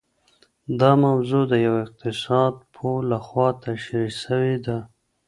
دا موضوع د يوه اقتصاد پوه لخوا تشرېح سوې ده.